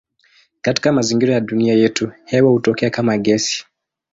Katika mazingira ya dunia yetu hewa hutokea kama gesi.